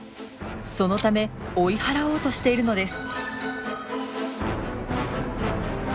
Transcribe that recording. そのため追い払おうとしているのです。